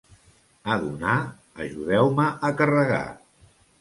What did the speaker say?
A donar, ajudeu-me a carregar.